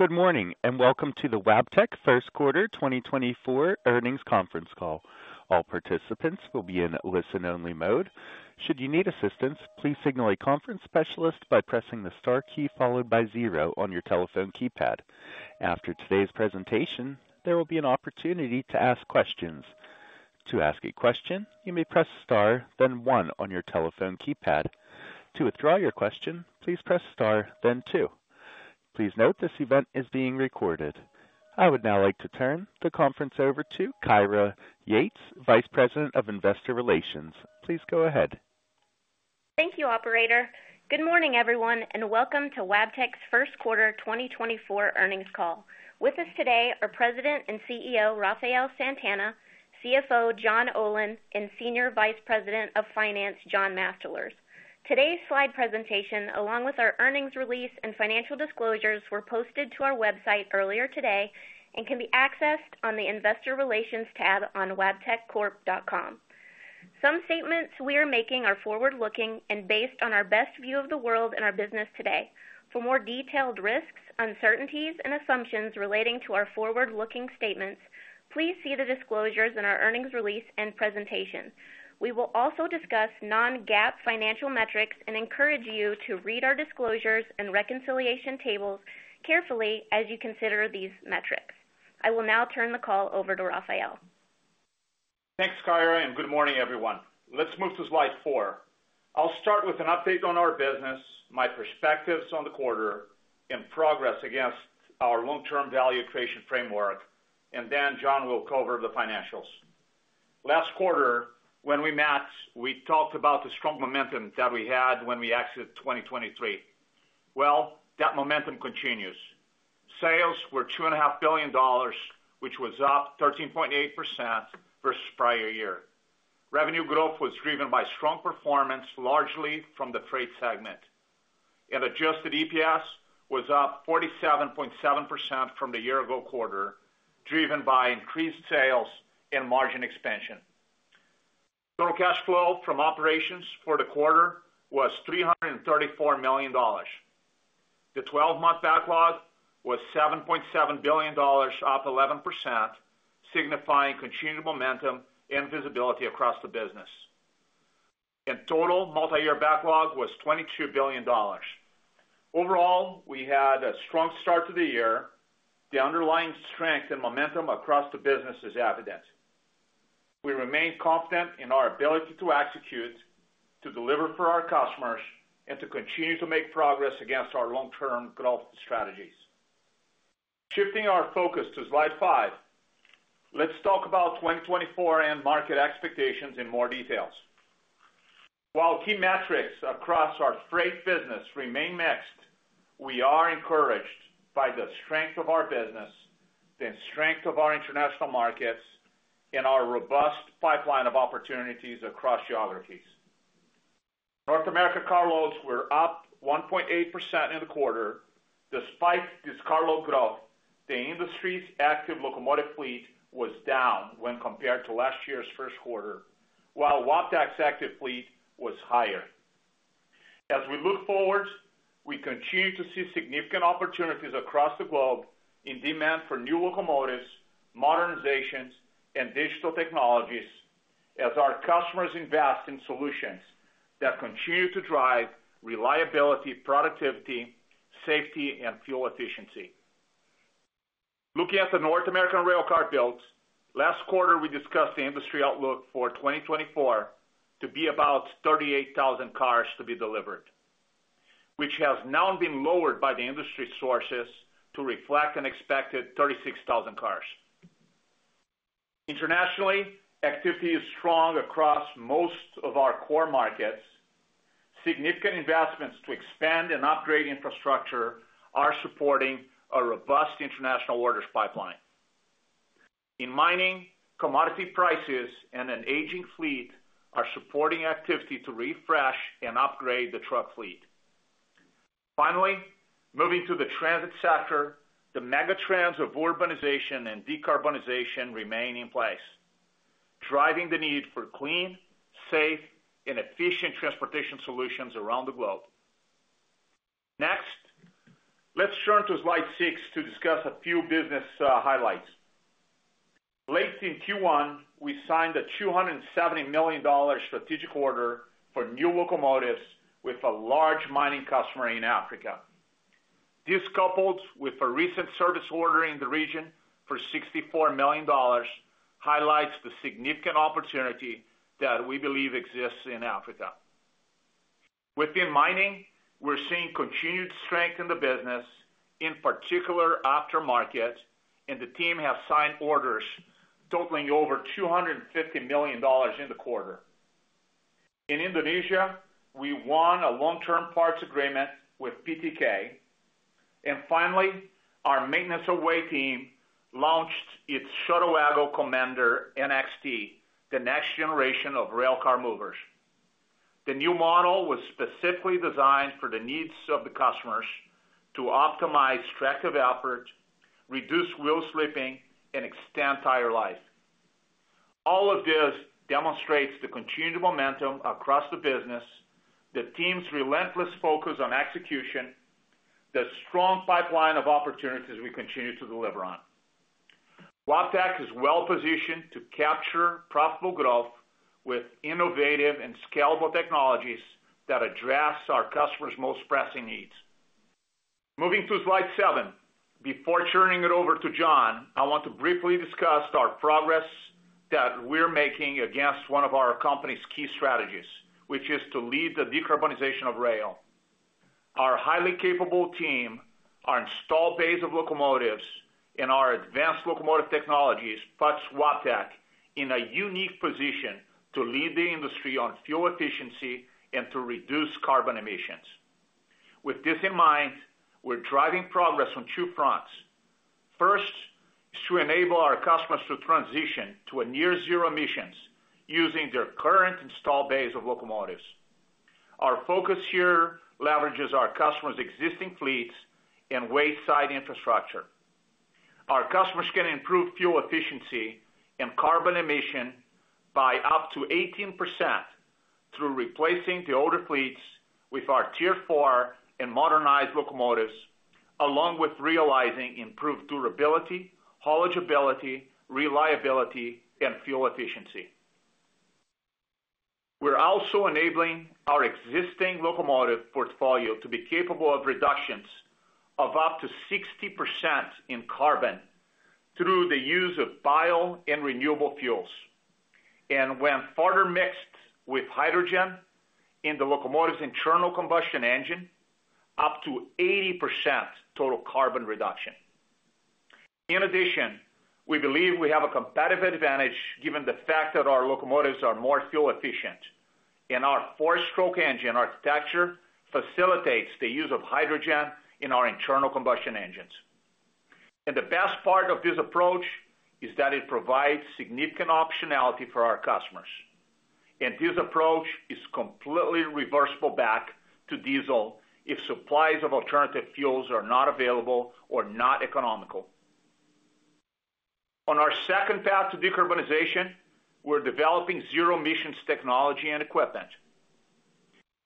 Good morning and welcome to the Wabtec First Quarter 2024 Earnings Conference Call. All participants will be in listen-only mode. Should you need assistance, please signal a conference specialist by pressing the star key followed by zero on your telephone keypad. After today's presentation, there will be an opportunity to ask questions. To ask a question, you may press star, then one on your telephone keypad. To withdraw your question, please press star, then two. Please note this event is being recorded. I would now like to turn the conference over to Kyra Yates, Vice President of Investor Relations. Please go ahead. Thank you, Operator. Good morning, everyone, and welcome to Wabtec's First Quarter 2024 Earnings Call. With us today are President and CEO Rafael Santana, CFO John Olin, and Senior Vice President of Finance John Mastalerz. Today's slide presentation, along with our earnings release and financial disclosures, were posted to our website earlier today and can be accessed on the Investor Relations tab on wabteccorp.com. Some statements we are making are forward-looking and based on our best view of the world and our business today. For more detailed risks, uncertainties, and assumptions relating to our forward-looking statements, please see the disclosures in our earnings release and presentation. We will also discuss non-GAAP financial metrics and encourage you to read our disclosures and reconciliation tables carefully as you consider these metrics. I will now turn the call over to Rafael. Thanks, Kyra, and good morning, everyone. Let's move to slide four. I'll start with an update on our business, my perspectives on the quarter, and progress against our long-term value creation framework, and then John will cover the financials. Last quarter, when we met, we talked about the strong momentum that we had when we exited 2023. Well, that momentum continues. Sales were $2.5 billion, which was up 13.8% versus prior year. Revenue growth was driven by strong performance, largely from the Freight segment. And adjusted EPS was up 47.7% from the year-ago quarter, driven by increased sales and margin expansion. Total cash flow from operations for the quarter was $334 million. The 12-month backlog was $7.7 billion, up 11%, signifying continued momentum and visibility across the business. Total multi-year backlog was $22 billion. Overall, we had a strong start to the year. The underlying strength and momentum across the business is evident. We remain confident in our ability to execute, to deliver for our customers, and to continue to make progress against our long-term growth strategies. Shifting our focus to slide five, let's talk about 2024 and market expectations in more details. While key metrics across our freight business remain mixed, we are encouraged by the strength of our business, the strength of our international markets, and our robust pipeline of opportunities across geographies. North America carloads were up 1.8% in the quarter. Despite this carload growth, the industry's active locomotive fleet was down when compared to last year's first quarter, while Wabtec's active fleet was higher. As we look forward, we continue to see significant opportunities across the globe in demand for new locomotives, modernizations, and digital technologies as our customers invest in solutions that continue to drive reliability, productivity, safety, and fuel efficiency. Looking at the North American railcar builds, last quarter we discussed the industry outlook for 2024 to be about 38,000 cars to be delivered, which has now been lowered by the industry sources to reflect an expected 36,000 cars. Internationally, activity is strong across most of our core markets. Significant investments to expand and upgrade infrastructure are supporting a robust international orders pipeline. In mining, commodity prices and an aging fleet are supporting activity to refresh and upgrade the truck fleet. Finally, moving to the transit sector, the megatrends of urbanization and decarbonization remain in place, driving the need for clean, safe, and efficient transportation solutions around the globe. Next, let's turn to slide six to discuss a few business highlights. Late in Q1, we signed a $270 million strategic order for new locomotives with a large mining customer in Africa. This, coupled with a recent service order in the region for $64 million, highlights the significant opportunity that we believe exists in Africa. Within mining, we're seeing continued strength in the business, in particular aftermarket, and the team has signed orders totaling over $250 million in the quarter. In Indonesia, we won a long-term parts agreement with PT KAI. Finally, our maintenance-of-way team launched its Shuttlewagon Commander NXT, the next generation of railcar movers. The new model was specifically designed for the needs of the customers to optimize tractive effort, reduce wheel slipping, and extend tire life. All of this demonstrates the continued momentum across the business, the team's relentless focus on execution, the strong pipeline of opportunities we continue to deliver on. Wabtec is well-positioned to capture profitable growth with innovative and scalable technologies that address our customers' most pressing needs. Moving to slide seven, before turning it over to John, I want to briefly discuss our progress that we're making against one of our company's key strategies, which is to lead the decarbonization of rail. Our highly capable team, our installed base of locomotives, and our advanced locomotive technologies, plus Wabtec, in a unique position to lead the industry on fuel efficiency and to reduce carbon emissions. With this in mind, we're driving progress on two fronts. First, is to enable our customers to transition to a near-zero emissions using their current installed base of locomotives. Our focus here leverages our customers' existing fleets and wayside infrastructure. Our customers can improve fuel efficiency and carbon emission by up to 18% through replacing the older fleets with our Tier 4 and modernized locomotives, along with realizing improved durability, haulage ability, reliability, and fuel efficiency. We're also enabling our existing locomotive portfolio to be capable of reductions of up to 60% in carbon through the use of bio and renewable fuels. And when further mixed with hydrogen in the locomotive's internal combustion engine, up to 80% total carbon reduction. In addition, we believe we have a competitive advantage given the fact that our locomotives are more fuel efficient, and our four-stroke engine architecture facilitates the use of hydrogen in our internal combustion engines. And the best part of this approach is that it provides significant optionality for our customers. This approach is completely reversible back to diesel if supplies of alternative fuels are not available or not economical. On our second path to decarbonization, we're developing zero-emissions technology and equipment.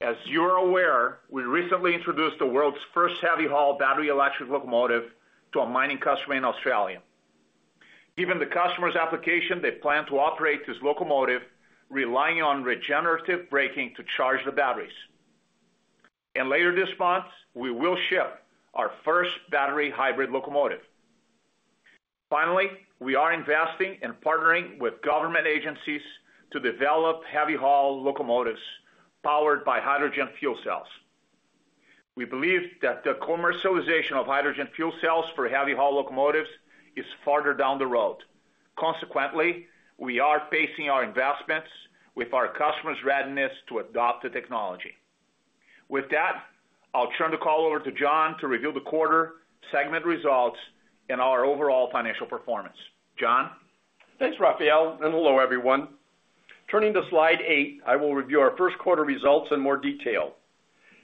As you're aware, we recently introduced the world's first heavy-haul battery electric locomotive to a mining customer in Australia. Given the customer's application, they plan to operate this locomotive relying on regenerative braking to charge the batteries. And later this month, we will ship our first battery hybrid locomotive. Finally, we are investing and partnering with government agencies to develop heavy-haul locomotives powered by hydrogen fuel cells. We believe that the commercialization of hydrogen fuel cells for heavy-haul locomotives is farther down the road. Consequently, we are pacing our investments with our customers' readiness to adopt the technology. With that, I'll turn the call over to John to reveal the quarter segment results and our overall financial performance. John? Thanks, Rafael, and hello, everyone. Turning to slide eight, I will review our first quarter results in more detail.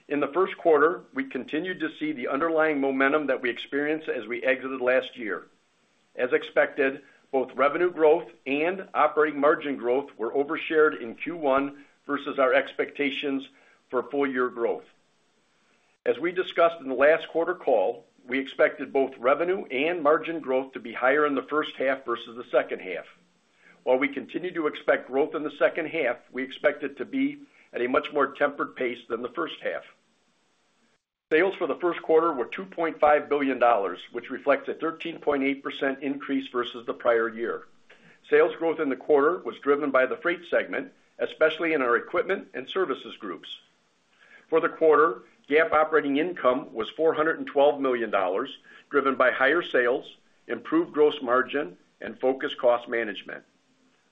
In the first quarter, we continued to see the underlying momentum that we experienced as we exited last year. As expected, both revenue growth and operating margin growth were outperformed in Q1 versus our expectations for full-year growth. As we discussed in the last quarter call, we expected both revenue and margin growth to be higher in the first half versus the second half. While we continue to expect growth in the second half, we expect it to be at a much more tempered pace than the first half. Sales for the first quarter were $2.5 billion, which reflects a 13.8% increase versus the prior year. Sales growth in the quarter was driven by the freight segment, especially in our equipment and services groups. For the quarter, GAAP operating income was $412 million, driven by higher sales, improved gross margin, and focused cost management.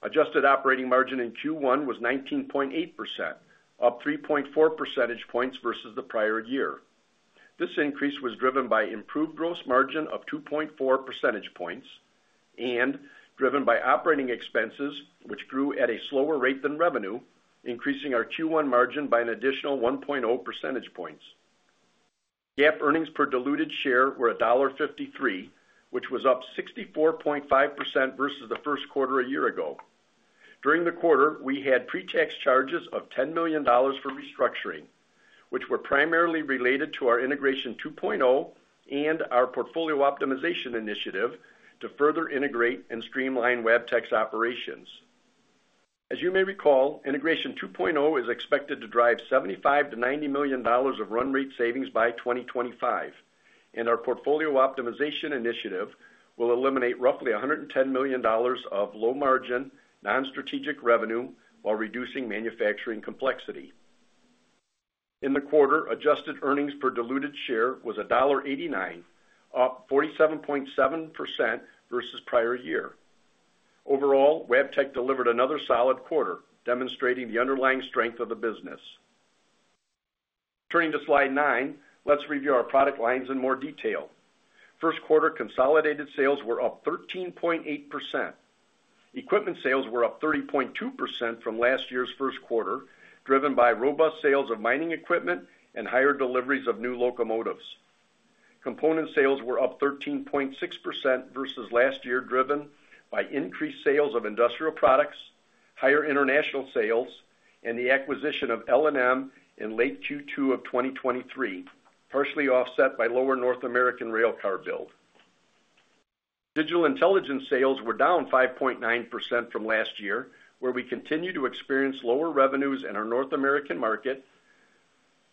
Adjusted operating margin in Q1 was 19.8%, up 3.4 percentage points versus the prior year. This increase was driven by improved gross margin of 2.4 percentage points and driven by operating expenses, which grew at a slower rate than revenue, increasing our Q1 margin by an additional 1.0 percentage points. GAAP earnings per diluted share were $1.53, which was up 64.5% versus the first quarter a year ago. During the quarter, we had pre-tax charges of $10 million for restructuring, which were primarily related to our Integration 2.0 and our portfolio optimization initiative to further integrate and streamline Wabtec's operations. As you may recall, Integration 2.0 is expected to drive $75million-$90 million of run rate savings by 2025, and our portfolio optimization initiative will eliminate roughly $110 million of low-margin, non-strategic revenue while reducing manufacturing complexity. In the quarter, adjusted earnings per diluted share was $1.89, up 47.7% versus prior year. Overall, Wabtec delivered another solid quarter, demonstrating the underlying strength of the business. Turning to slide nine, let's review our product lines in more detail. First quarter consolidated sales were up 13.8%. Equipment sales were up 30.2% from last year's first quarter, driven by robust sales of mining equipment and higher deliveries of new locomotives. Component sales were up 13.6% versus last year, driven by increased sales of industrial products, higher international sales, and the acquisition of L&M in late Q2 of 2023, partially offset by lower North American railcar build. Digital intelligence sales were down 5.9% from last year, where we continue to experience lower revenues in our North American market,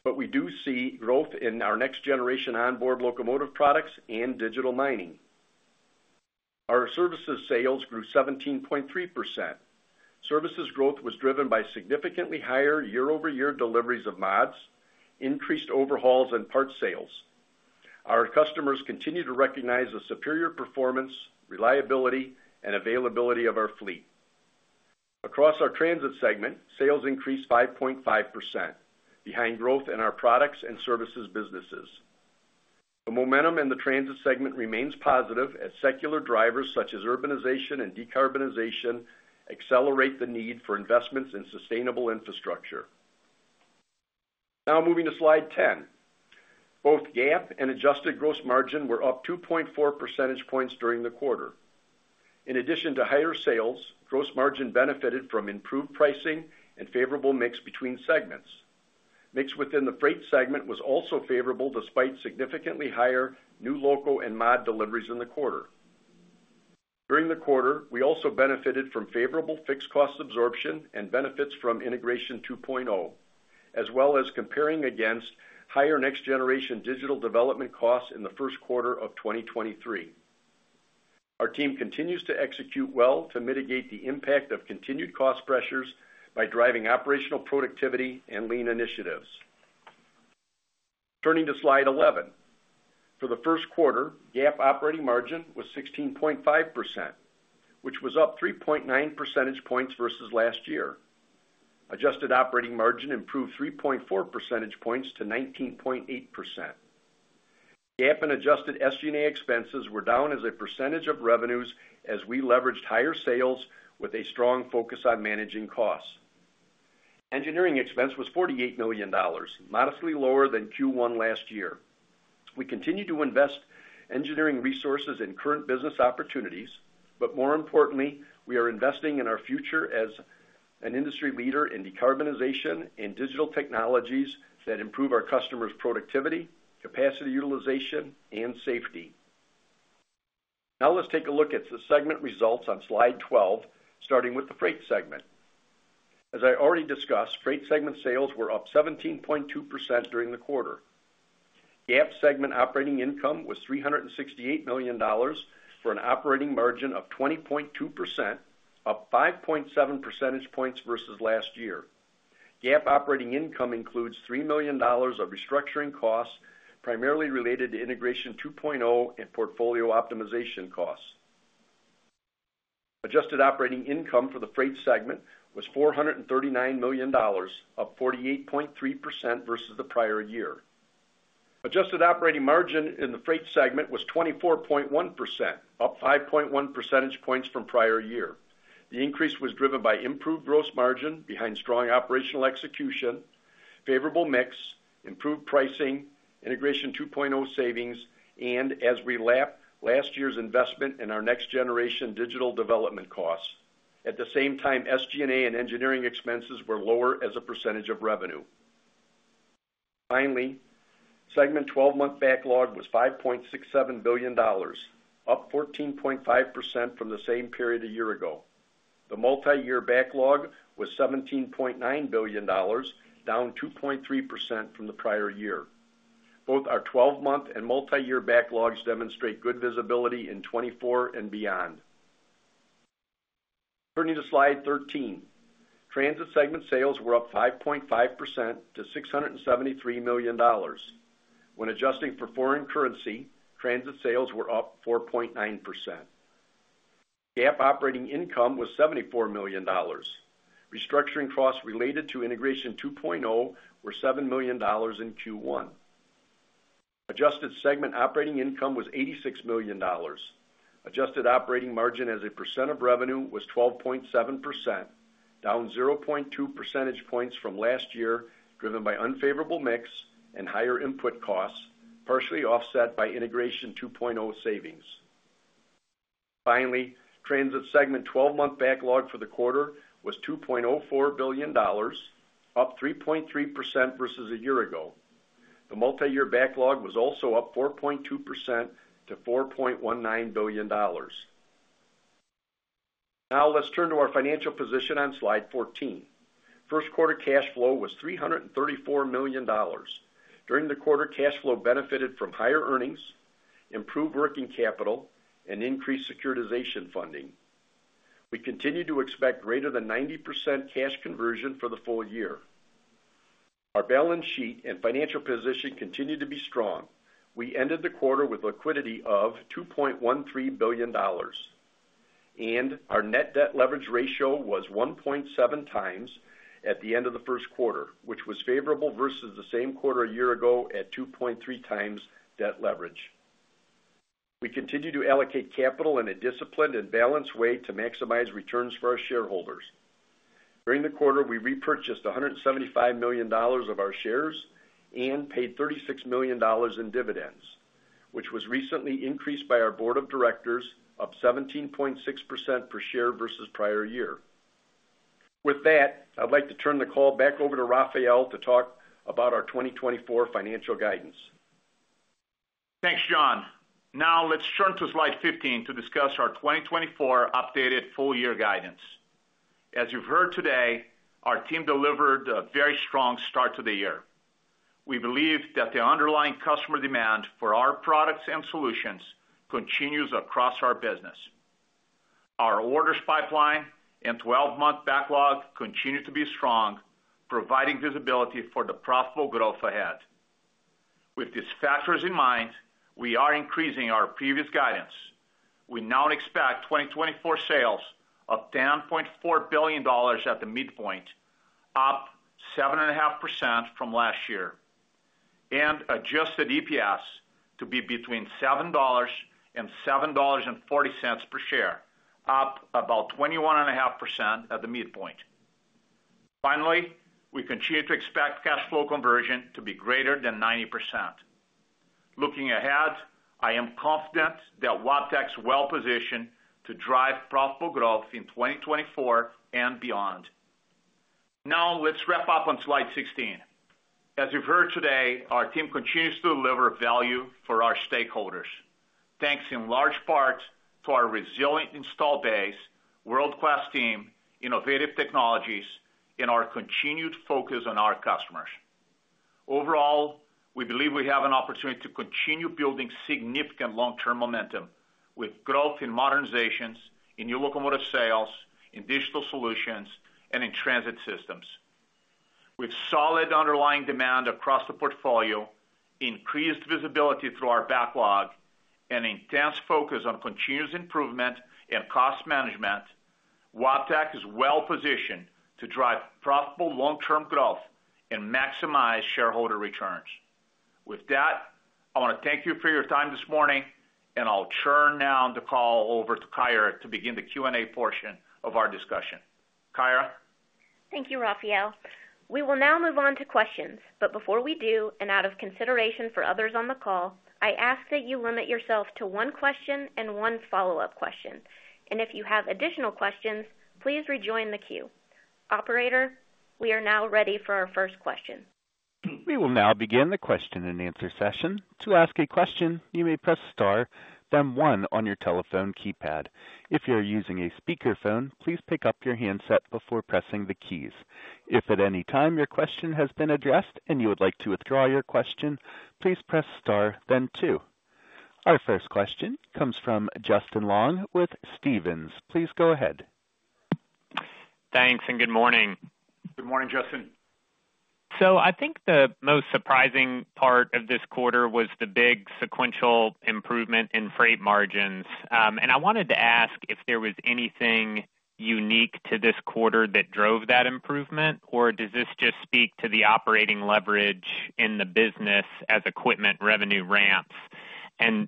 but we do see growth in our next-generation onboard locomotive products and digital mining. Our services sales grew 17.3%. Services growth was driven by significantly higher year-over-year deliveries of mods, increased overhauls, and part sales. Our customers continue to recognize the superior performance, reliability, and availability of our fleet. Across our Transit segment, sales increased 5.5%, behind growth in our products and services businesses. The momentum in the transit segment remains positive as secular drivers such as urbanization and decarbonization accelerate the need for investments in sustainable infrastructure. Now moving to slide 10. Both GAAP and adjusted gross margin were up 2.4 percentage points during the quarter. In addition to higher sales, gross margin benefited from improved pricing and favorable mix between segments. Mix within the Freight segment was also favorable despite significantly higher new loco and mod deliveries in the quarter. During the quarter, we also benefited from favorable fixed cost absorption and benefits from Integration 2.0, as well as comparing against higher next-generation digital development costs in the first quarter of 2023. Our team continues to execute well to mitigate the impact of continued cost pressures by driving operational productivity and lean initiatives. Turning to slide 11. For the first quarter, GAAP operating margin was 16.5%, which was up 3.9 percentage points versus last year. Adjusted operating margin improved 3.4 percentage points to 19.8%. GAAP and adjusted SG&A expenses were down as a percentage of revenues as we leveraged higher sales with a strong focus on managing costs. Engineering expense was $48 million, modestly lower than Q1 last year. We continue to invest engineering resources in current business opportunities, but more importantly, we are investing in our future as an industry leader in decarbonization and digital technologies that improve our customers' productivity, capacity utilization, and safety. Now let's take a look at the segment results on slide 12, starting with the freight segment. As I already discussed, freight segment sales were up 17.2% during the quarter. GAAP segment operating income was $368 million for an operating margin of 20.2%, up 5.7 percentage points versus last year. GAAP operating income includes $3 million of restructuring costs primarily related to Integration 2.0 and portfolio optimization costs. Adjusted operating income for the Freight segment was $439 million, up 48.3% versus the prior year. Adjusted operating margin in the Freight segment was 24.1%, up 5.1 percentage points from prior year. The increase was driven by improved gross margin behind strong operational execution, favorable mix, improved pricing, Integration 2.0 savings, and, as we lap, last year's investment in our next-generation digital development costs. At the same time, SG&A and engineering expenses were lower as a percentage of revenue. Finally, segment 12-month backlog was $5.67 billion, up 14.5% from the same period a year ago. The multi-year backlog was $17.9 billion, down 2.3% from the prior year. Both our 12-month and multi-year backlogs demonstrate good visibility in 2024 and beyond. Turning to slide 13. Transit segment sales were up 5.5% to $673 million. When adjusting for foreign currency, transit sales were up 4.9%. GAAP operating income was $74 million. Restructuring costs related to Integration 2.0 were $7 million in Q1. Adjusted segment operating income was $86 million. Adjusted operating margin as a percent of revenue was 12.7%, down 0.2 percentage points from last year, driven by unfavorable mix and higher input costs, partially offset by Integration 2.0 savings. Finally, transit segment 12-month backlog for the quarter was $2.04 billion, up 3.3% versus a year ago. The multi-year backlog was also up 4.2% to $4.19 billion. Now let's turn to our financial position on slide 14. First quarter cash flow was $334 million. During the quarter, cash flow benefited from higher earnings, improved working capital, and increased securitization funding. We continue to expect greater than 90% cash conversion for the full year. Our balance sheet and financial position continue to be strong. We ended the quarter with liquidity of $2.13 billion. Our net debt leverage ratio was 1.7x at the end of the first quarter, which was favorable versus the same quarter a year ago at 2.3x debt leverage. We continue to allocate capital in a disciplined and balanced way to maximize returns for our shareholders. During the quarter, we repurchased $175 million of our shares and paid $36 million in dividends, which was recently increased by our board of directors up 17.6% per share versus prior year. With that, I'd like to turn the call back over to Rafael to talk about our 2024 financial guidance. Thanks, John. Now let's turn to slide 15 to discuss our 2024 updated full year guidance. As you've heard today, our team delivered a very strong start to the year. We believe that the underlying customer demand for our products and solutions continues across our business. Our orders pipeline and 12-month backlog continue to be strong, providing visibility for the profitable growth ahead. With these factors in mind, we are increasing our previous guidance. We now expect 2024 sales of $10.4 billion at the midpoint, up 7.5% from last year. Adjusted EPS to be between $7 and $7.40 per share, up about 21.5% at the midpoint. Finally, we continue to expect cash flow conversion to be greater than 90%. Looking ahead, I am confident that Wabtec's well-positioned to drive profitable growth in 2024 and beyond. Now let's wrap up on slide 16. As you've heard today, our team continues to deliver value for our stakeholders, thanks in large part to our resilient installed base, world-class team, innovative technologies, and our continued focus on our customers. Overall, we believe we have an opportunity to continue building significant long-term momentum with growth in modernizations, in new locomotive sales, in digital solutions, and in transit systems. With solid underlying demand across the portfolio, increased visibility through our backlog, and intense focus on continuous improvement and cost management, Wabtec is well-positioned to drive profitable long-term growth and maximize shareholder returns. With that, I want to thank you for your time this morning, and I'll turn now the call over to Kyra to begin the Q&A portion of our discussion. Kyra? Thank you, Rafael. We will now move on to questions, but before we do, and out of consideration for others on the call, I ask that you limit yourself to one question and one follow-up question. If you have additional questions, please rejoin the queue. Operator, we are now ready for our first question. We will now begin the question and answer session. To ask a question, you may press star, then one on your telephone keypad. If you are using a speakerphone, please pick up your handset before pressing the keys. If at any time your question has been addressed and you would like to withdraw your question, please press star, then two. Our first question comes from Justin Long with Stephens. Please go ahead. Thanks and good morning. Good morning, Justin. I think the most surprising part of this quarter was the big sequential improvement in freight margins. I wanted to ask if there was anything unique to this quarter that drove that improvement, or does this just speak to the operating leverage in the business as equipment revenue ramps?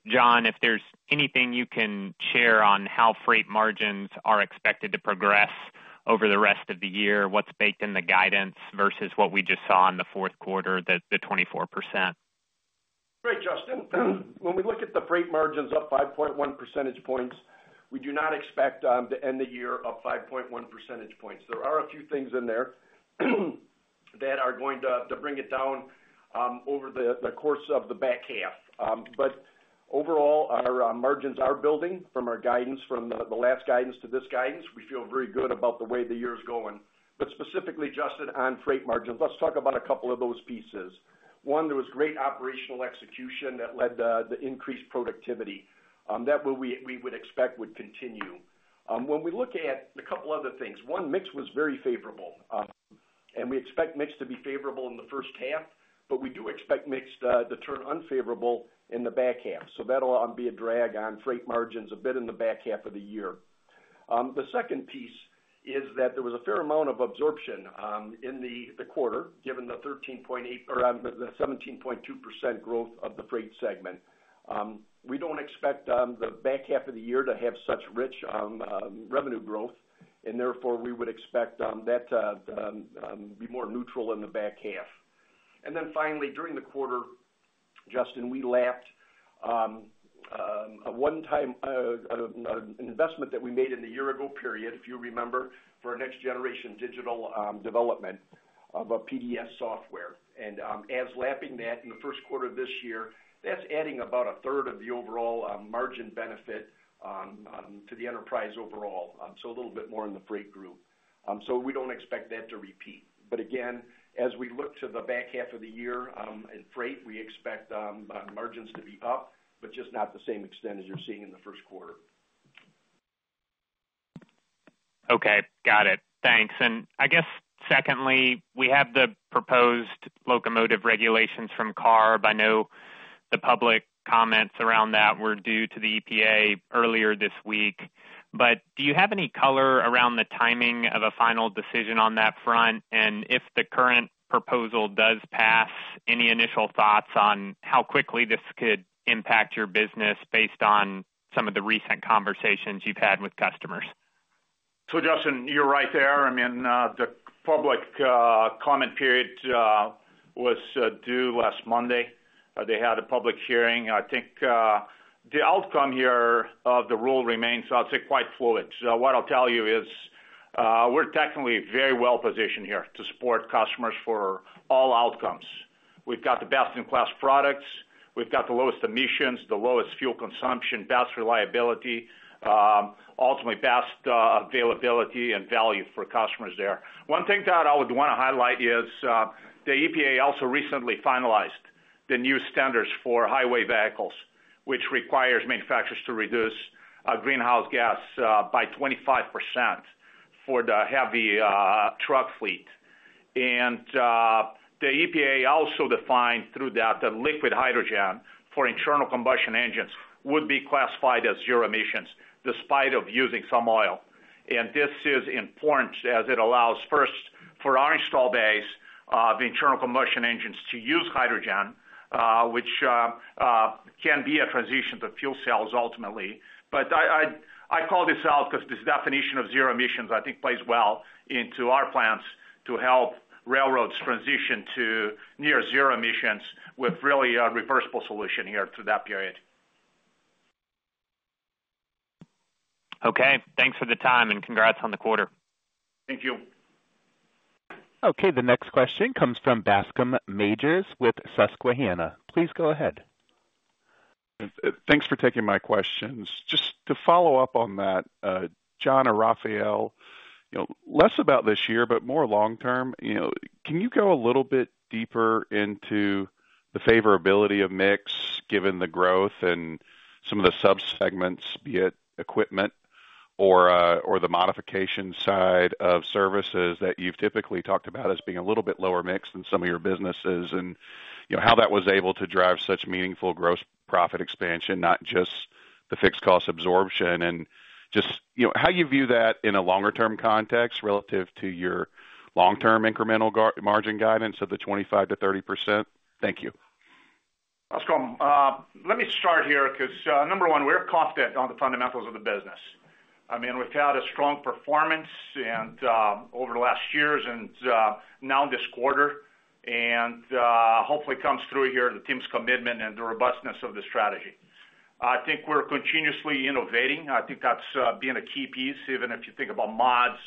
John, if there's anything you can share on how freight margins are expected to progress over the rest of the year, what's baked in the guidance versus what we just saw in the fourth quarter, the 24%? Great, Justin. When we look at the freight margins up 5.1 percentage points, we do not expect to end the year up 5.1 percentage points. There are a few things in there that are going to bring it down over the course of the back half. But overall, our margins are building from our guidance, from the last guidance to this guidance. We feel very good about the way the year's going. But specifically, Justin, on Freight margins, let's talk about a couple of those pieces. One, there was great operational execution that led to the increased productivity. That we would expect would continue. When we look at a couple other things, one, mix was very favorable. And we expect mix to be favorable in the first half, but we do expect mix to turn unfavorable in the back half. So that'll be a drag on Freight margins a bit in the back half of the year. The second piece is that there was a fair amount of absorption in the quarter, given the 13.8% or the 17.2% growth of the freight segment. We don't expect the back half of the year to have such rich revenue growth, and therefore, we would expect that to be more neutral in the back half. And then finally, during the quarter, Justin, we lapped a one-time investment that we made in the year ago, period, if you remember, for our next-generation digital development of a PDS software. And as lapping that in the first quarter of this year, that's adding about a third of the overall margin benefit to the enterprise overall, so a little bit more in the Freight group. So we don't expect that to repeat. But again, as we look to the back half of the year in Freight, we expect margins to be up, but just not the same extent as you're seeing in the first quarter. Okay. Got it. Thanks. And I guess, secondly, we have the proposed locomotive regulations from CARB. I know the public comments around that were due to the EPA earlier this week. But do you have any color around the timing of a final decision on that front, and if the current proposal does pass, any initial thoughts on how quickly this could impact your business based on some of the recent conversations you've had with customers? So, Justin, you're right there. I mean, the public comment period was due last Monday. They had a public hearing. I think the outcome here of the rule remains, I'd say, quite fluid. So what I'll tell you is we're technically very well-positioned here to support customers for all outcomes. We've got the best-in-class products. We've got the lowest emissions, the lowest fuel consumption, best reliability, ultimately best availability and value for customers there. One thing that I would want to highlight is the EPA also recently finalized the new standards for highway vehicles, which requires manufacturers to reduce greenhouse gas by 25% for the heavy truck fleet. And the EPA also defined through that that liquid hydrogen for internal combustion engines would be classified as zero emissions despite using some oil. And this is important as it allows, first, for our installed base of internal combustion engines to use hydrogen, which can be a transition to fuel cells ultimately. But I call this out because this definition of zero emissions, I think, plays well into our plans to help railroads transition to near zero emissions with really a reversible solution here through that period. Okay. Thanks for the time, and congrats on the quarter. Thank you. Okay. The next question comes from Bascome Majors with Susquehanna. Please go ahead. Thanks for taking my questions. Just to follow up on that, John or Rafael, less about this year, but more long-term, can you go a little bit deeper into the favorability of mix given the growth and some of the subsegments, be it equipment or the modification side of services that you've typically talked about as being a little bit lower mix than some of your businesses, and how that was able to drive such meaningful gross profit expansion, not just the fixed cost absorption, and just how you view that in a longer-term context relative to your long-term incremental margin guidance of the 25% to 30%? Thank you. That's cool. Let me start here because, number one, we're focused on the fundamentals of the business. I mean, we've had a strong performance over the last years and now this quarter, and hopefully comes through here the team's commitment and the robustness of the strategy. I think we're continuously innovating. I think that's being a key piece, even if you think about mods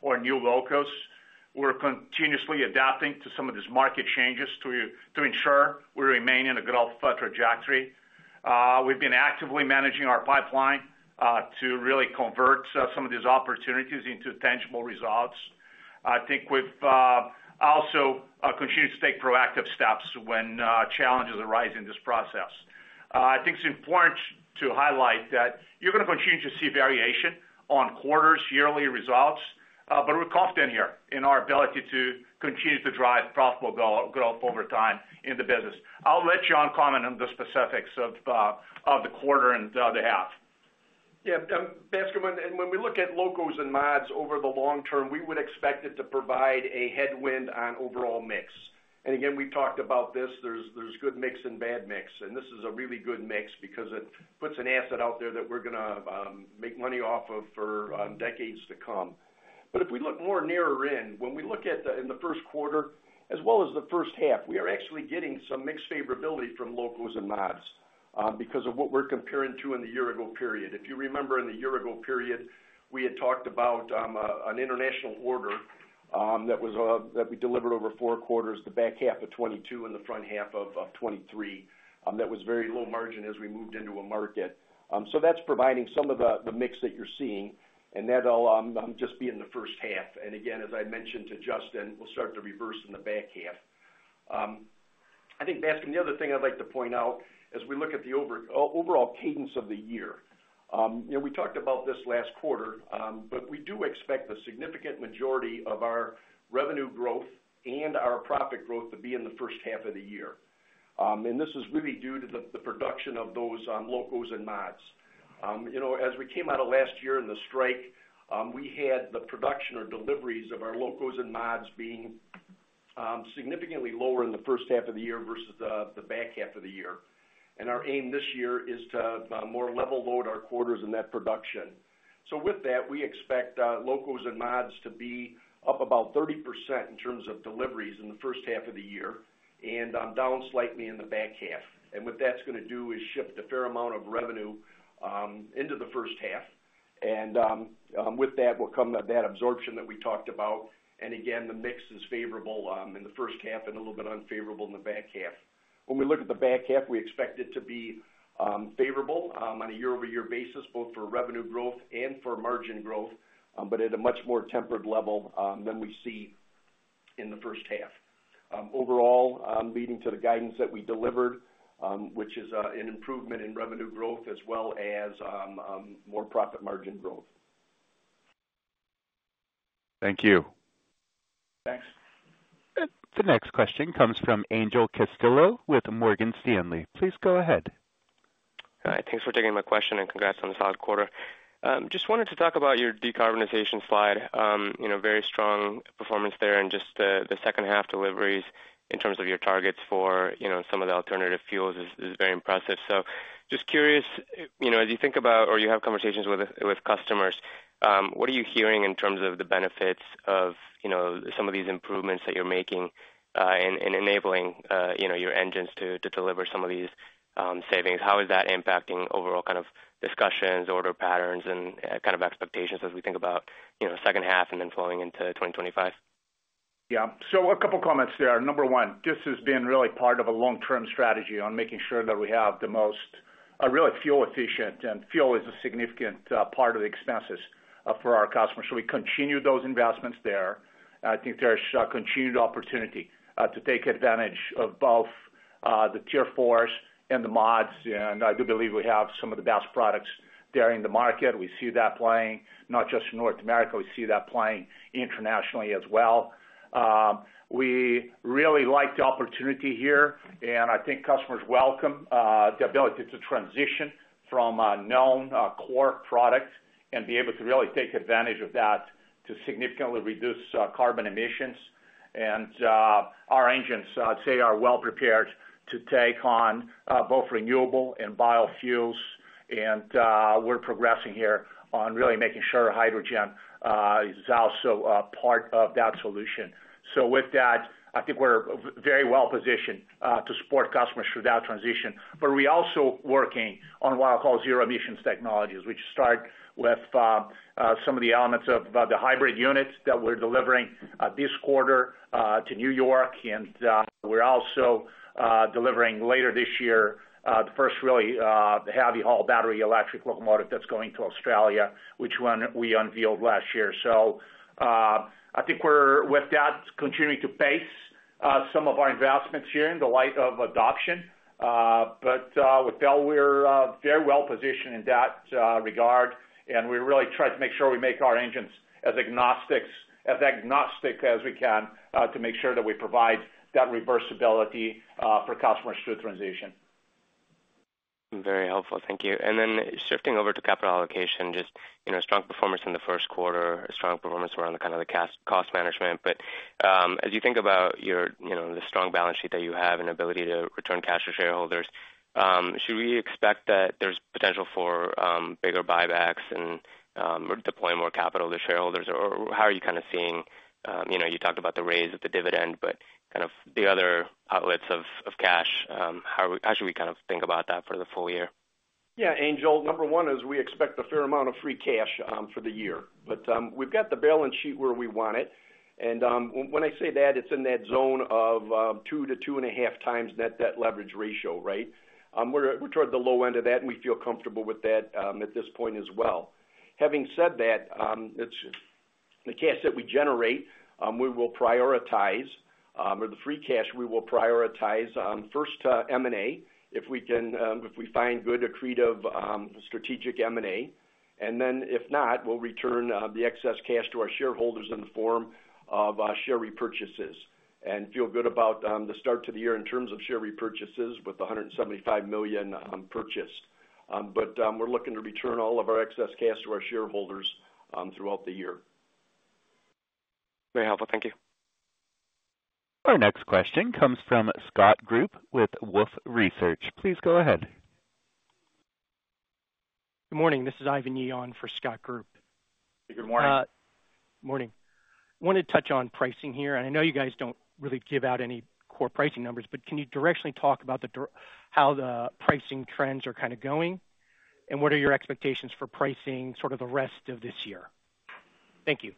or new locos. We're continuously adapting to some of these market changes to ensure we remain in a growth trajectory. We've been actively managing our pipeline to really convert some of these opportunities into tangible results. I think we've also continued to take proactive steps when challenges arise in this process. I think it's important to highlight that you're going to continue to see variation on quarters, yearly results, but we're confident here in our ability to continue to drive profitable growth over time in the business. I'll let John comment on the specifics of the quarter and the half. Yeah. Bascome, when we look at locos and mods over the long term, we would expect it to provide a headwind on overall mix. And again, we've talked about this. There's good mix and bad mix. And this is a really good mix because it puts an asset out there that we're going to make money off of for decades to come. But if we look more narrower in, when we look at in the first quarter as well as the first half, we are actually getting some mixed favorability from locos and mods because of what we're comparing to in the year-ago period. If you remember, in the year-ago period, we had talked about an international order that we delivered over four quarters, the back half of 2022 and the front half of 2023 that was very low margin as we moved into a market. So that's providing some of the mix that you're seeing, and that'll just be in the first half. Again, as I mentioned to Justin, we'll start to reverse in the back half. I think, Bascome, the other thing I'd like to point out as we look at the overall cadence of the year, we talked about this last quarter, but we do expect the significant majority of our revenue growth and our profit growth to be in the first half of the year. This is really due to the production of those locos and mods. As we came out of last year in the strike, we had the production or deliveries of our locos and mods being significantly lower in the first half of the year versus the back half of the year. Our aim this year is to more level load our quarters in that production. So with that, we expect locos and mods to be up about 30% in terms of deliveries in the first half of the year and down slightly in the back half. And what that's going to do is shift a fair amount of revenue into the first half. And with that will come that absorption that we talked about. And again, the mix is favorable in the first half and a little bit unfavorable in the back half. When we look at the back half, we expect it to be favorable on a year-over-year basis, both for revenue growth and for margin growth, but at a much more tempered level than we see in the first half, overall leading to the guidance that we delivered, which is an improvement in revenue growth as well as more profit margin growth. Thank you. Thanks. The next question comes from Angel Castillo with Morgan Stanley. Please go ahead. All right. Thanks for taking my question, and congrats on the solid quarter. Just wanted to talk about your decarbonization slide. Very strong performance there in just the second half deliveries in terms of your targets for some of the alternative fuels is very impressive. So just curious, as you think about or you have conversations with customers, what are you hearing in terms of the benefits of some of these improvements that you're making in enabling your engines to deliver some of these savings? How is that impacting overall kind of discussions, order patterns, and kind of expectations as we think about second half and then flowing into 2025? Yeah. So a couple comments there. Number one, this has been really part of a long-term strategy on making sure that we have the most really fuel-efficient, and fuel is a significant part of the expenses for our customers. So we continue those investments there. I think there's continued opportunity to take advantage of both the Tier 4s and the mods. And I do believe we have some of the best products there in the market. We see that playing not just in North America. We see that playing internationally as well. We really like the opportunity here, and I think customers welcome the ability to transition from a known core product and be able to really take advantage of that to significantly reduce carbon emissions. And our engines, I'd say, are well-prepared to take on both renewable and biofuels. And we're progressing here on really making sure hydrogen is also part of that solution. So with that, I think we're very well-positioned to support customers through that transition. But we're also working on what I'll call zero-emissions technologies, which start with some of the elements of the hybrid units that we're delivering this quarter to New York. And we're also delivering later this year the first really heavy-haul battery electric locomotive that's going to Australia, which we unveiled last year. So I think we're, with that, continuing to pace some of our investments here in the light of adoption. But with that, we're very well-positioned in that regard. And we really try to make sure we make our engines as agnostic as we can to make sure that we provide that reversibility for customers through transition. Very helpful. Thank you. Then shifting over to capital allocation, just strong performance in the first quarter, strong performance around kind of the cost management. But as you think about the strong balance sheet that you have and ability to return cash to shareholders, should we expect that there's potential for bigger buybacks and deploying more capital to shareholders? Or how are you kind of seeing you talked about the raise of the dividend, but kind of the other outlets of cash. How should we kind of think about that for the full year? Yeah. Angel, number one is we expect a fair amount of free cash for the year. But we've got the balance sheet where we want it. And when I say that, it's in that zone of 2 to 2.5x net debt leverage ratio, right? We're toward the low end of that, and we feel comfortable with that at this point as well. Having said that, the cash that we generate, we will prioritize the free cash, we will prioritize first to M&A if we find good, accretive, strategic M&A. And then if not, we'll return the excess cash to our shareholders in the form of share repurchases and feel good about the start to the year in terms of share repurchases with $175 million purchased. But we're looking to return all of our excess cash to our shareholders throughout the year. Very helpful. Thank you. Our next question comes from Scott Group with Wolfe Research. Please go ahead. Good morning. This is Ivan Yi on for Scott Group. Hey. Good morning. Morning. Wanted to touch on pricing here. I know you guys don't really give out any core pricing numbers, but can you directly talk about how the pricing trends are kind of going? What are your expectations for pricing sort of the rest of this year? Thank you.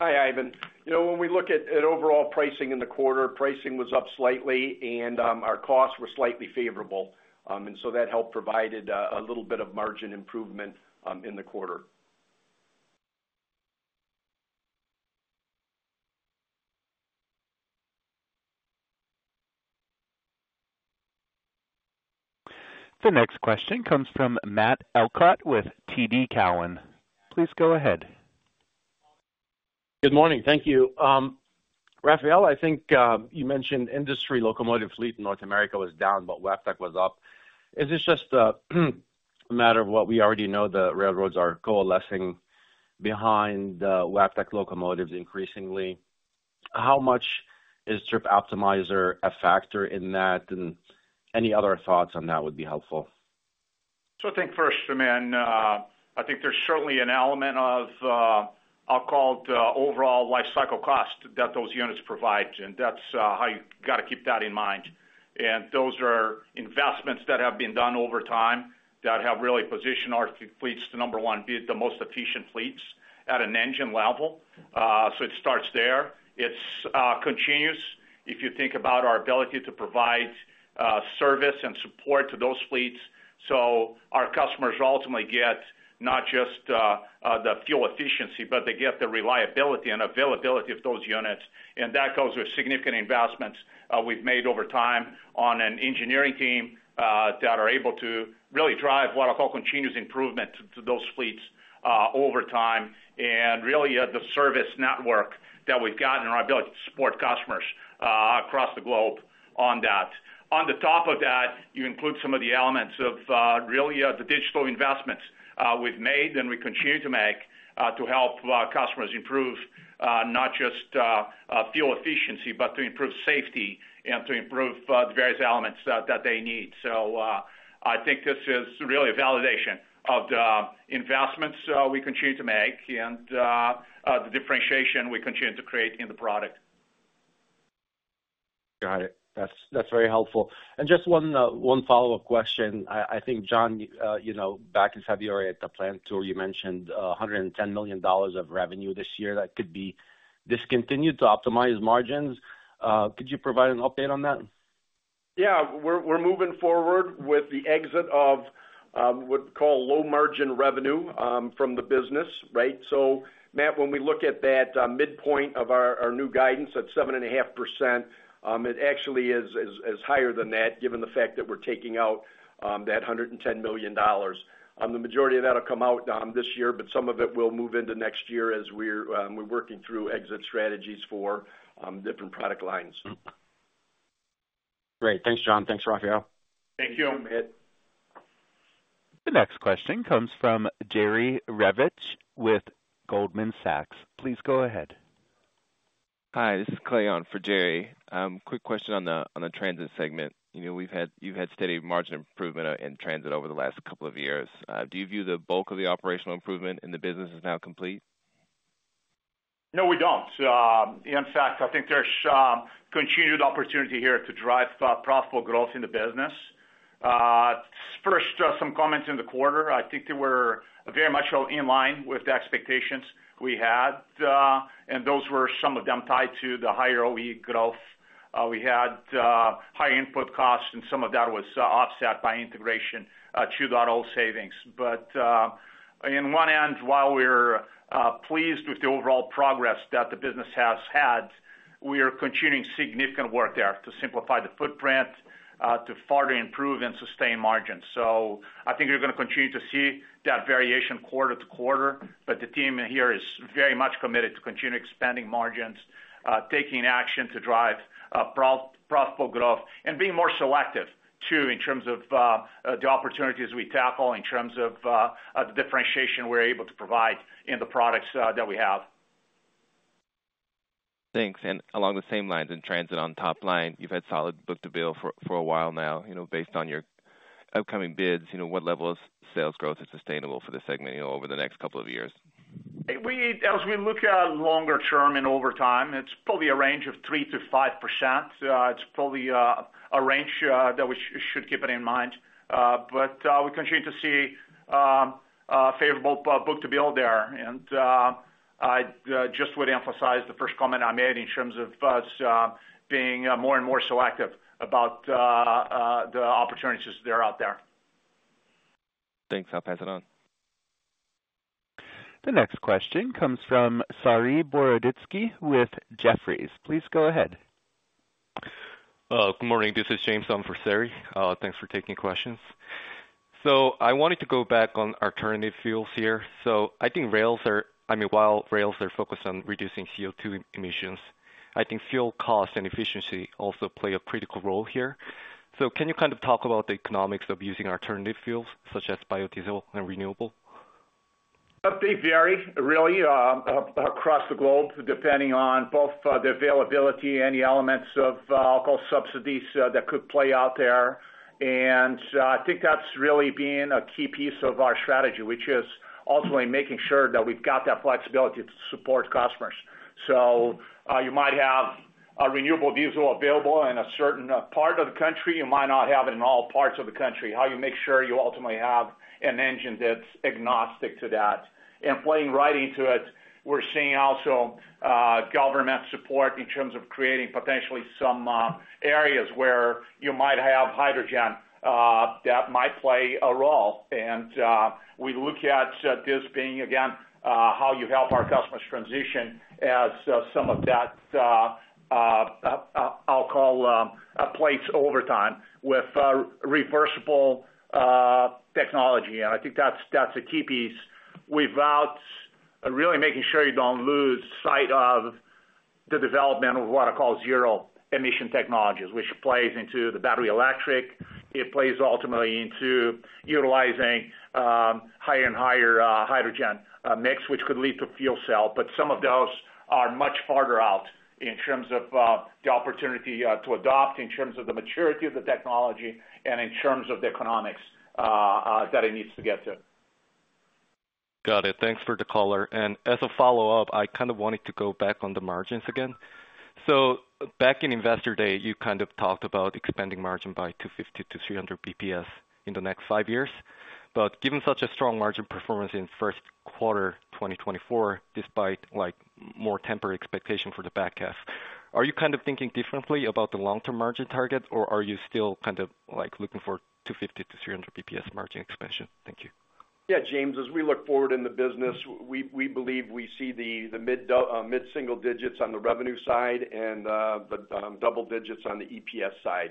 Hi, Ivan. When we look at overall pricing in the quarter, pricing was up slightly, and our costs were slightly favorable. And so that help provided a little bit of margin improvement in the quarter. The next question comes from Matt Elkott with TD Cowen. Please go ahead. Good morning. Thank you. Rafael, I think you mentioned industry locomotive fleet in North America was down, but Wabtec was up. Is this just a matter of what we already know? The railroads are coalescing behind Wabtec locomotives increasingly. How much is Trip Optimizer a factor in that? And any other thoughts on that would be helpful. I think first, I mean, I think there's certainly an element of, I'll call it, overall lifecycle cost that those units provide. And that's how you got to keep that in mind. And those are investments that have been done over time that have really positioned our fleets to number one, be it the most efficient fleets at an engine level. So it starts there. It's continuous if you think about our ability to provide service and support to those fleets. So our customers ultimately get not just the fuel efficiency, but they get the reliability and availability of those units. And that goes with significant investments we've made over time on an engineering team that are able to really drive, what I'll call, continuous improvement to those fleets over time and really the service network that we've gotten and our ability to support customers across the globe on that. On the top of that, you include some of the elements of really the digital investments we've made and we continue to make to help customers improve not just fuel efficiency, but to improve safety and to improve the various elements that they need. So I think this is really a validation of the investments we continue to make and the differentiation we continue to create in the product. Got it. That's very helpful. Just one follow-up question. I think, John, back in February at the plant tour, you mentioned $110 million of revenue this year that could be discontinued to optimize margins. Could you provide an update on that? Yeah. We're moving forward with the exit of what we call low-margin revenue from the business, right? So, Matt, when we look at that midpoint of our new guidance at 7.5%, it actually is higher than that given the fact that we're taking out that $110 million. The majority of that will come out this year, but some of it will move into next year as we're working through exit strategies for different product lines. Great. Thanks, John. Thanks, Rafael. Thank you. The next question comes from Jerry Revich with Goldman Sachs. Please go ahead. Hi. This is Clay on for Jerry. Quick question on the transit segment. You've had steady margin improvement in transit over the last couple of years. Do you view the bulk of the operational improvement and the business is now complete? No, we don't. In fact, I think there's continued opportunity here to drive profitable growth in the business. First, some comments in the quarter. I think they were very much in line with the expectations we had. And those were some of them tied to the higher OE growth we had, higher input costs, and some of that was offset by Integration 2.0 savings. But on one end, while we're pleased with the overall progress that the business has had, we are continuing significant work there to simplify the footprint, to further improve, and sustain margins. So I think you're going to continue to see that variation quarter-to-quarter. The team here is very much committed to continue expanding margins, taking action to drive profitable growth, and being more selective too in terms of the opportunities we tackle, in terms of the differentiation we're able to provide in the products that we have. Thanks. Along the same lines, in transit on top line, you've had solid book-to-bill for a while now. Based on your upcoming bids, what level of sales growth is sustainable for the segment over the next couple of years? As we look longer term and over time, it's probably a range of 3% to 5%. It's probably a range that we should keep it in mind. But we continue to see favorable book-to-bill there. And I just would emphasize the first comment I made in terms of us being more and more selective about the opportunities that are out there. Thanks. I'll pass it on. The next question comes from Saree Boroditsky with Jefferies. Please go ahead. Good morning. This is James on for Saree. Thanks for taking questions. So I wanted to go back on alternative fuels here. So I think rails are, I mean, while rails are focused on reducing CO2 emissions, I think fuel cost and efficiency also play a critical role here. So can you kind of talk about the economics of using alternative fuels such as biodiesel and renewable? Update, Jerry, really across the globe depending on both the availability and the elements of, I'll call, subsidies that could play out there. And I think that's really being a key piece of our strategy, which is ultimately making sure that we've got that flexibility to support customers. So you might have a renewable diesel available in a certain part of the country. You might not have it in all parts of the country. How you make sure you ultimately have an engine that's agnostic to that. And playing right into it, we're seeing also government support in terms of creating potentially some areas where you might have hydrogen that might play a role. And we look at this being, again, how you help our customers transition as some of that, I'll call, plays out over time with reversible technology. I think that's a key piece without really making sure you don't lose sight of the development of what I call zero-emission technologies, which plays into the battery electric. It plays ultimately into utilizing higher and higher hydrogen mix, which could lead to fuel cell. But some of those are much farther out in terms of the opportunity to adopt, in terms of the maturity of the technology, and in terms of the economics that it needs to get to. Got it. Thanks for the caller. As a follow-up, I kind of wanted to go back on the margins again. Back in Investor Day, you kind of talked about expanding margin by 250 to 300 BPS in the next five years. Given such a strong margin performance in first quarter 2024 despite more temporary expectation for the back half, are you kind of thinking differently about the long-term margin target, or are you still kind of looking for 250 to 300 BPS margin expansion? Thank you. Yeah, James. As we look forward in the business, we believe we see the mid-single digits on the revenue side and the double digits on the EPS side.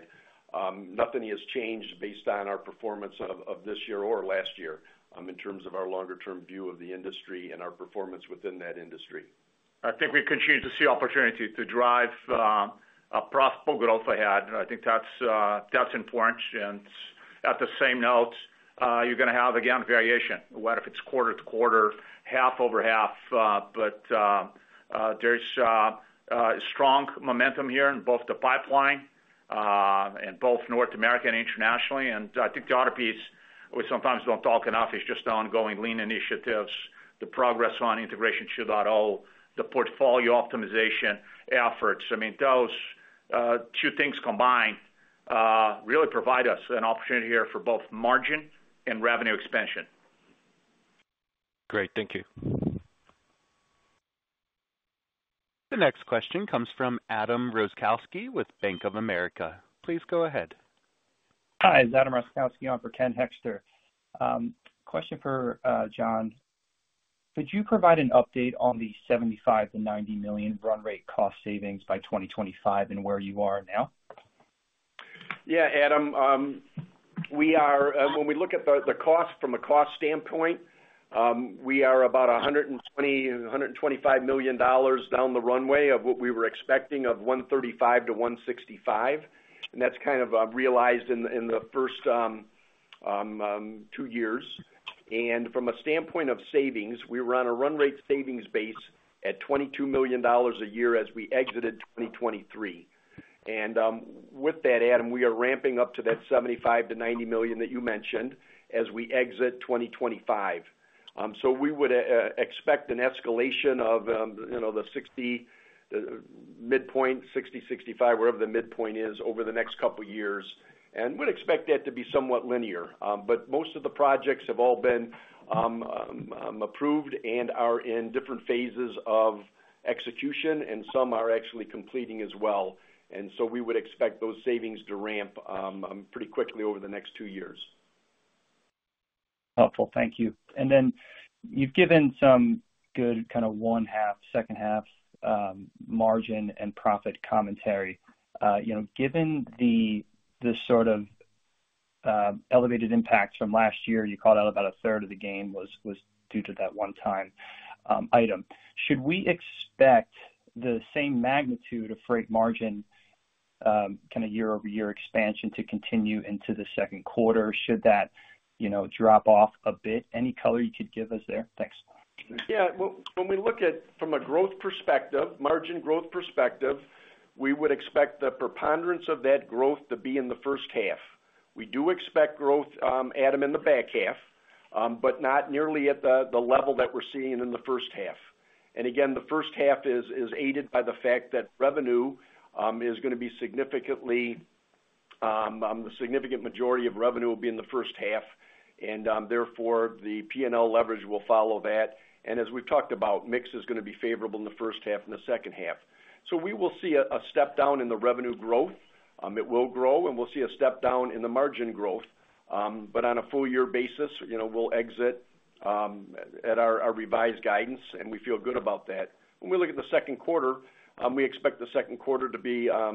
Nothing has changed based on our performance of this year or last year in terms of our longer-term view of the industry and our performance within that industry. I think we continue to see opportunity to drive profitable growth ahead. I think that's important. And at the same note, you're going to have, again, variation, whether it's quarter-to-quarter, half-over-half. But there's strong momentum here in both the pipeline and both North America and internationally. And I think the other piece we sometimes don't talk enough is just the ongoing lean initiatives, the progress on Integration 2.0, the portfolio optimization efforts. I mean, those two things combined really provide us an opportunity here for both margin and revenue expansion. Great. Thank you. The next question comes from Adam Roszkowski with Bank of America. Please go ahead. Hi. It's Adam Roskowski on for Ken Hoexter. Question for John. Could you provide an update on the $75 million-$90 million run rate cost savings by 2025 and where you are now? Yeah, Adam. When we look at the cost from a cost standpoint, we are about $120 million-$125 million down the runway of what we were expecting of $135million-$165 million. And that's kind of realized in the first two years. And from a standpoint of savings, we were on a run rate savings base at $22 million a year as we exited 2023. And with that, Adam, we are ramping up to that $75million-$90 million that you mentioned as we exit 2025. So we would expect an escalation of the midpoint, 60 to 65, wherever the midpoint is over the next couple of years. And we'd expect that to be somewhat linear. But most of the projects have all been approved and are in different phases of execution. And some are actually completing as well. We would expect those savings to ramp pretty quickly over the next two years. Helpful. Thank you. And then you've given some good kind of first half, second half margin and profit commentary. Given the sort of elevated impacts from last year, you called out about a third of the gain was due to that one-time item. Should we expect the same magnitude of Freight margin kind of year-over-year expansion to continue into the second quarter? Should that drop off a bit? Any color you could give us there? Thanks. Yeah. When we look at from a growth perspective, margin growth perspective, we would expect the preponderance of that growth to be in the first half. We do expect growth, Adam, in the back half, but not nearly at the level that we're seeing in the first half. And again, the first half is aided by the fact that revenue is going to be significantly the significant majority of revenue will be in the first half. And therefore, the P&L leverage will follow that. And as we've talked about, mix is going to be favorable in the first half and the second half. So we will see a step down in the revenue growth. It will grow. And we'll see a step down in the margin growth. But on a full-year basis, we'll exit at our revised guidance. And we feel good about that. When we look at the second quarter, we expect the second quarter to be a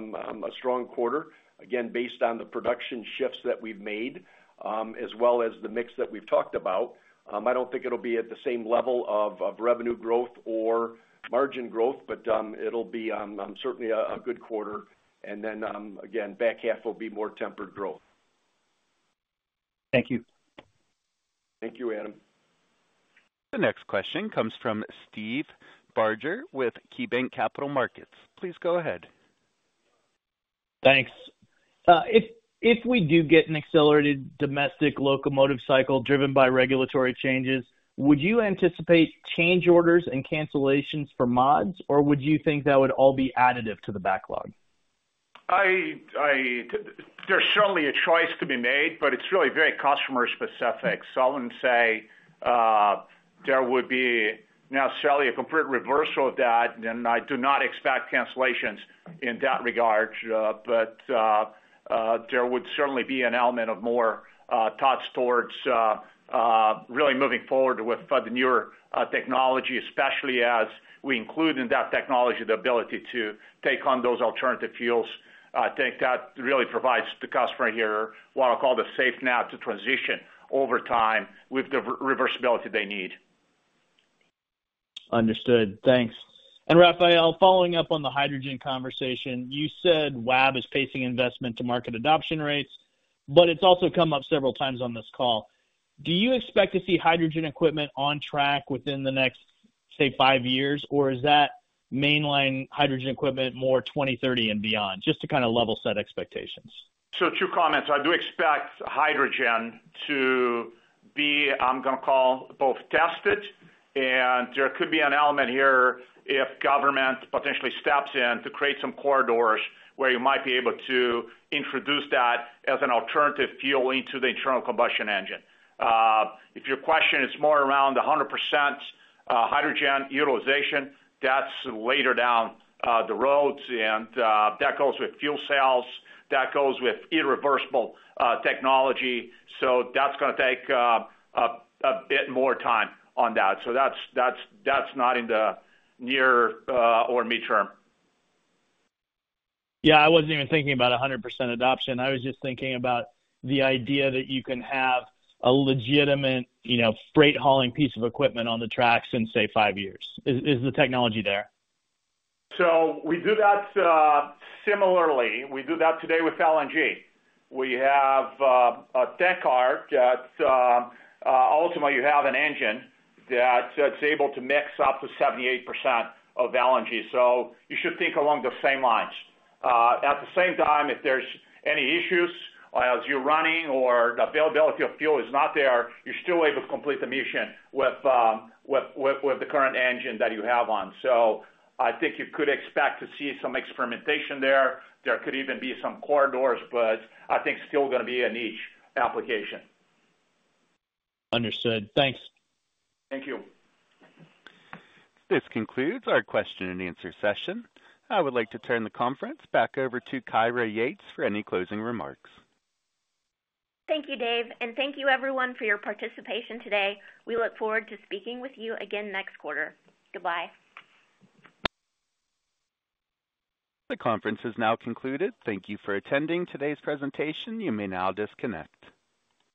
strong quarter, again, based on the production shifts that we've made as well as the mix that we've talked about. I don't think it'll be at the same level of revenue growth or margin growth, but it'll be certainly a good quarter. And then again, back half will be more tempered growth. Thank you. Thank you, Adam. The next question comes from Steve Barger with KeyBanc Capital Markets. Please go ahead. Thanks. If we do get an accelerated domestic locomotive cycle driven by regulatory changes, would you anticipate change orders and cancellations for mods, or would you think that would all be additive to the backlog? There's certainly a choice to be made, but it's really very customer-specific. So I wouldn't say there would be now, certainly, a complete reversal of that. And I do not expect cancellations in that regard. But there would certainly be an element of more thoughts towards really moving forward with the newer technology, especially as we include in that technology the ability to take on those alternative fuels. I think that really provides the customer here what I'll call the safe now to transition over time with the reversibility they need. Understood. Thanks. And Rafael, following up on the hydrogen conversation, you said Wab is pacing investment to market adoption rates, but it's also come up several times on this call. Do you expect to see hydrogen equipment on track within the next, say, five years, or is that mainline hydrogen equipment more 2030 and beyond, just to kind of level set expectations? So, two comments. I do expect hydrogen to be, I'm going to call, both tested. And there could be an element here if government potentially steps in to create some corridors where you might be able to introduce that as an alternative fuel into the internal combustion engine. If your question is more around 100% hydrogen utilization, that's later down the road. And that goes with fuel cells. That goes with irreversible technology. So that's going to take a bit more time on that. So that's not in the near or mid-term. Yeah. I wasn't even thinking about 100% adoption. I was just thinking about the idea that you can have a legitimate freight hauling piece of equipment on the tracks in, say, five years. Is the technology there? So we do that similarly. We do that today with LNG. We have a tech [object] ultimately, you have an engine that's able to mix up to 78% of LNG. So you should think along the same lines. At the same time, if there's any issues as you're running or the availability of fuel is not there, you're still able to complete the mission with the current engine that you have on. So I think you could expect to see some experimentation there. There could even be some corridors, but I think still going to be a niche application. Understood. Thanks. Thank you. This concludes our question-and-answer session. I would like to turn the conference back over to Kyra Yates for any closing remarks. Thank you, Dave. Thank you, everyone, for your participation today. We look forward to speaking with you again next quarter. Goodbye. The conference has now concluded. Thank you for attending today's presentation. You may now disconnect.